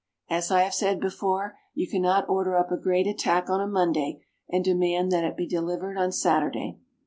As I have said before, you cannot order up a great attack on a Monday and demand that it be delivered on Saturday.